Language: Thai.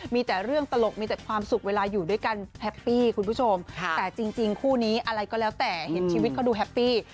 มีแต่เรื่องตลกมีแต่ความสุขเวลาอยู่ด้วยกันแฮปปี้คุณผู้ชมแต่จริงคู่นี้อะไรก็แล้วแต่เห็นชีวิตเขาดูแฮปปี้